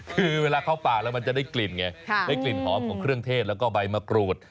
คือเวลาเข้าปากแล้วมันจะได้กลิ่นไงได้กลิ่นหอมของเครื่องเทศแล้วก็ใบมะกรูด